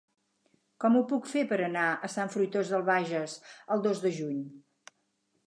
Com ho puc fer per anar a Sant Fruitós de Bages el dos de juny?